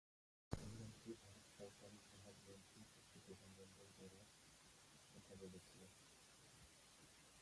এই রাজ্যে ভারত সরকারের জাহাজ মন্ত্রক একটি প্রধান বন্দর গড়ার কথা বলেছে।